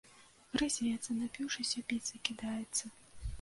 Грызецца, напіўшыся, біцца кідаецца.